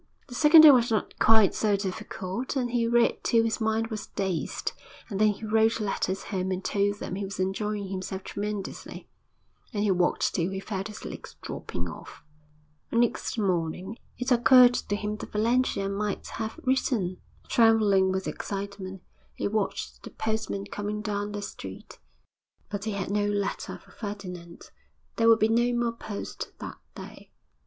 The second day was not quite so difficult, and he read till his mind was dazed, and then he wrote letters home and told them he was enjoying himself tremendously, and he walked till he felt his legs dropping off. Next morning it occurred to him that Valentia might have written. Trembling with excitement, he watched the postman coming down the street but he had no letter for Ferdinand. There would be no more post that day.